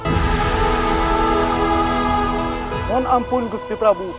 mohon ampun gusti prabu